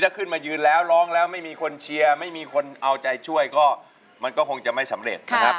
ถ้าขึ้นมายืนแล้วร้องแล้วไม่มีคนเชียร์ไม่มีคนเอาใจช่วยก็มันก็คงจะไม่สำเร็จนะครับ